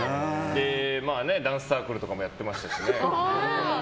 ダンスサークルとかもやってましたしね。